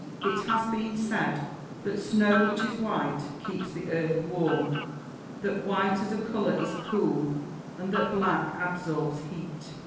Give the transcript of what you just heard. It has been said (162), that snow which is white, keeps the earth warm; that white as a colour is cool, and that black absorbs heat (230).